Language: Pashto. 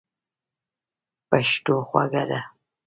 پښتو خوږه ده.